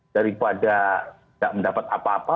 daripada tidak mendapat apa apa